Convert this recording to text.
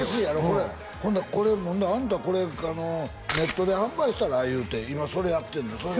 これ今度あんたこれネットで販売したらいうて今それやってんのよ